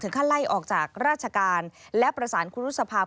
ขั้นไล่ออกจากราชการและประสานครูรุษภาพ